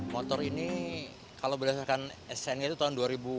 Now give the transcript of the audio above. motor ini kalau berdasarkan sna itu tahun dua ribu enam dua ribu tujuh